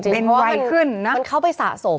เพราะว่ามันเข้าไปสะสม